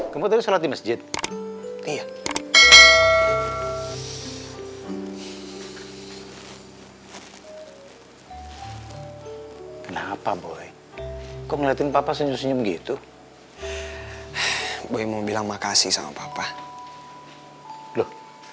kenapa boy kok ngeliatin papa senyum senyum gitu gue mau bilang makasih sama papa loh